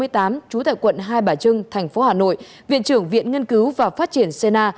trú tại quận hai bà trưng thành phố hà nội viện trưởng viện nghiên cứu và phát triển cna